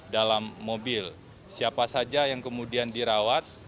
dalam mobil siapa saja yang kemudian dirawat